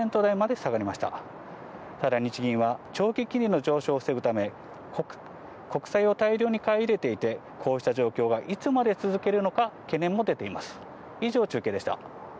さらに日銀は、長期金利の上昇を防ぐため、国債を大量に買い入れていて、こうした状況はいつまで続けるのか、懸念も出ています。